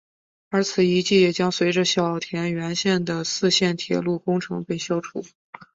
而此遗迹也将随着小田原线的四线铁路工程被消除。